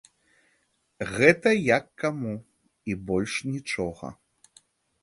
Гэта як каму, і больш нічога.